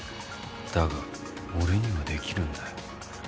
だが俺にはできるんだよ。